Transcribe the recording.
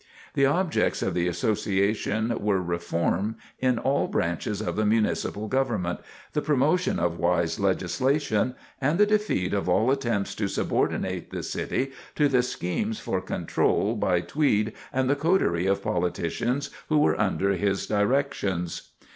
The objects of the Association were reform in all branches of the Municipal Government, the promotion of wise legislation, and the defeat of all attempts to subordinate the city to the schemes for control by Tweed and the coterie of politicians who were under his directions.